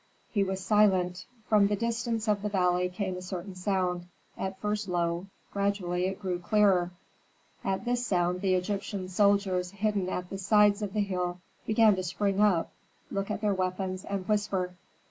He was silent. From the distance of the valley came a certain sound; at first low, gradually it grew clearer. At this sound the Egyptian soldiers hidden at the sides of the hill began to spring up, look at their weapons, and whisper.